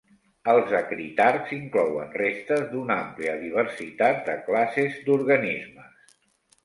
Els acritarcs inclouen restes d'una àmplia diversitat de classes d'organismes.